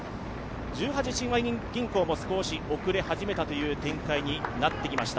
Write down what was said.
十八親和銀行も少し遅れ始めた展開になってきました。